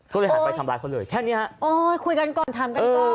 ก็เลยหันไปทำร้ายเขาเลยแค่เนี้ยฮะโอ้ยคุยกันก่อนถามกันก่อน